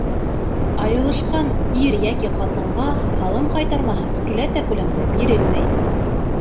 — Айырылышҡан ир йәки ҡатынға һалым ҡайтармаһы икеләтә күләмдә бирелмәй.